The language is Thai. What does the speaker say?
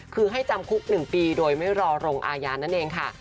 คือให้จำคุก๑ปีโดยไม่รอลงอาญานั่นเองค่ะ